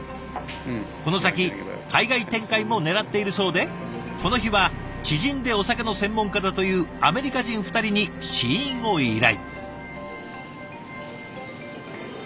この先海外展開もねらっているそうでこの日は知人でお酒の専門家だというアメリカ人２人に試飲を依頼。